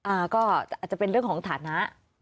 อาจจะเป็นเรื่องของฐานะ